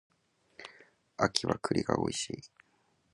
秋は栗が美味しい